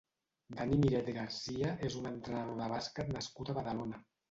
Dani Miret Garcia és un entrenador de bàsquet nascut a Badalona.